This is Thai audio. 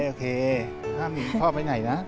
โอเคถ้ามีพ่อไปไหนนะ